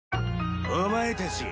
お前たち。